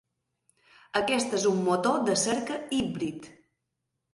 Aquest és un motor de cerca híbrid.